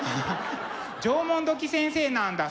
「縄文土器先生」なんだ。